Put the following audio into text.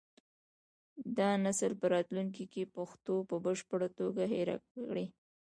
دا نسل به راتلونکي کې پښتو په بشپړه توګه هېره کړي.